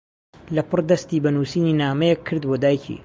لەپڕ دەستی بە نووسینی نامەیەک کرد بۆ دایکی.